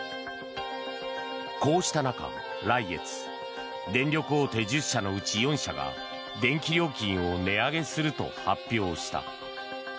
こうした中、来月電力大手１０社のうち４社が電気料金を値上げすると発表した。